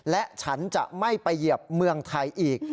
และฉันจะไม่ไปเหยียบเมืองไทยอีก